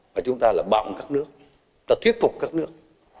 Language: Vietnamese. và chúng ta là bạo các nước là thuyết phục các nước